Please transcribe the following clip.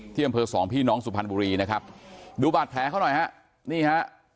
อำเภอสองพี่น้องสุพรรณบุรีนะครับดูบาดแผลเขาหน่อยฮะนี่ฮะ